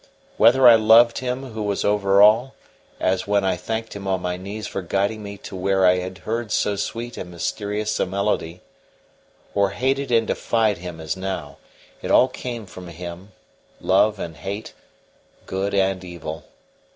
Whether I loved Him who was over all, as when I thanked Him on my knees for guiding me to where I had heard so sweet and mysterious a melody, or hated and defied Him as now, it all came from Him love and hate, good and evil.